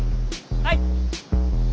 はい！